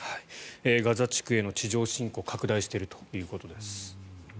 ガザ地区への地上侵攻拡大しているということです。